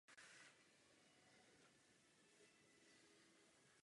Nejde však jen o poezii.